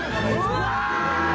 うわ！！